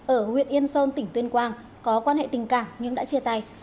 ở huyện yên sơn tỉnh tuyên quang có quan hệ tình cảm nhưng đã chia tay